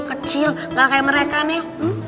kecil gak kayak mereka nih